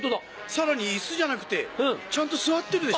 さらに椅子じゃなくてちゃんと座ってるでしょう。